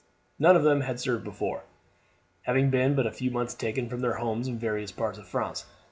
None of them had served before, having been but a few months taken from their homes in various parts of France.